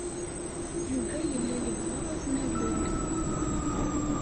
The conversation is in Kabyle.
Yuba yella yebɣa ad t-nalel.